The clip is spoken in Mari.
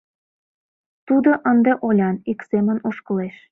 Тудо ынде олян, ик семын ошкылеш...